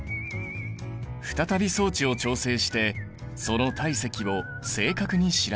再び装置を調整してその体積を正確に調べる。